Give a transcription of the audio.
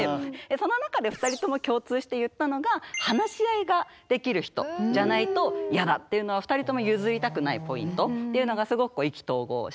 その中で２人とも共通して言ったのが「話し合いができる人じゃないとヤダ」っていうのは２人とも譲りたくないポイントっていうのがすごく意気投合して。